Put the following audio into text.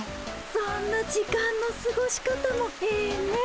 そんな時間のすごし方もええねえ。